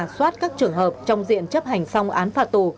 xoát các trường hợp trong diện chấp hành xong án phạt tù